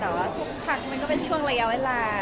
แต่ว่าทุกครั้งมันก็เป็นช่วงระยะเวลา